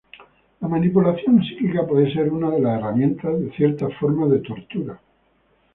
La manipulación psíquica puede ser una de las herramientas de ciertas formas de tortura.